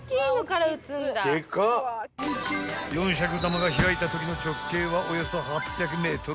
［四尺玉が開いたときの直径はおよそ８００ｍ］